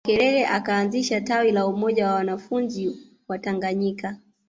Makerere akaanzisha tawi la Umoja wa wanafunzi Watanganyika